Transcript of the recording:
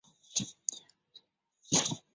父亲周书府是江苏盐城人。